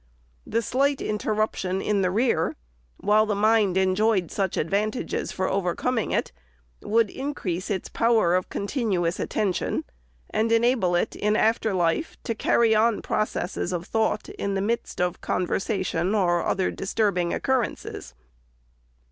This slight interruption in the rear, while the mind enjoyed such advantages for overcoming it, would increase its power ON SCHOOLHOUSES. 465 of continuous attention, and enable it, in after life, to cany on processes of thought in the midst of conversa tion or other disturbing occurrences.